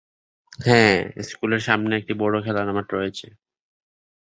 স্কুলের সামনে একটি বিশাল খেলার মাঠ রয়েছে।